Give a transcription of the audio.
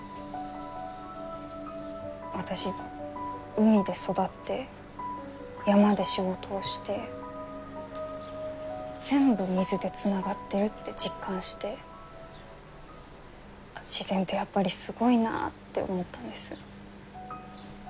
私海で育って山で仕事をして全部水でつながってるって実感して自然ってやっぱりすごいなって思ったんです。